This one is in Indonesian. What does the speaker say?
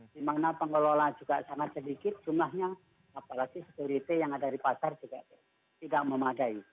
di mana pengelola juga sangat sedikit jumlahnya apalagi security yang ada di pasar juga tidak memadai